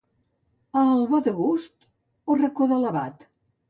Al Vadegust o Racó de l'Abat?